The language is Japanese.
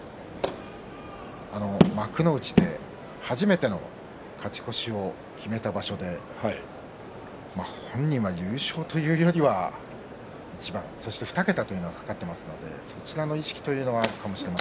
幕内で初めての勝ち越しを決めた場所で本人は優勝というよりは一番そして２桁というのが懸かっています。